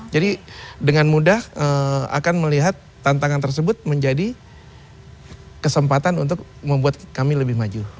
jadi dengan mudah akan melihat tantangan tersebut menjadi kesempatan untuk membuat kami lebih maju